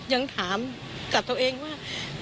ยังถามกับตัวเองว่า